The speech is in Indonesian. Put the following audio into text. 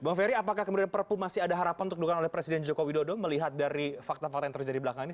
bang ferry apakah kemudian perpu masih ada harapan untuk dilakukan oleh presiden joko widodo melihat dari fakta fakta yang terjadi belakang ini